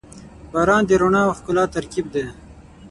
• باران د رڼا او ښکلا ترکیب دی.